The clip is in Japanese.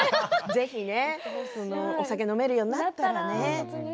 ぜひねお酒飲めるようになったら。